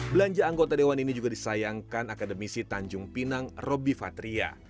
belanja anggota dewan ini juga disayangkan akademisi tanjung pinang roby patria